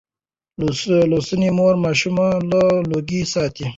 لوستې مور ماشوم له لوګي ساتي.